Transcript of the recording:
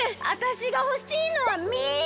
あたしがほしいのは水！